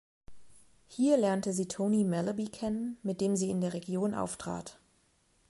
Hier lernte sie Tony Malaby kennen, mit dem sie in der Region auftrat.